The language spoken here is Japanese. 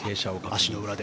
足の裏で。